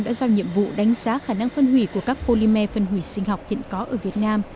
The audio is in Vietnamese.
đã giao nhiệm vụ đánh giá khả năng phân hủy của các polymer phân hủy sinh học hiện có ở việt nam